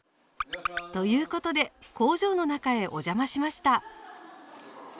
ということで工場の中へお邪魔しました。